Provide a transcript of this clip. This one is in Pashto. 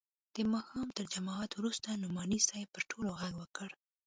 د ماښام تر جماعت وروسته نعماني صاحب پر ټولو ږغ وکړ.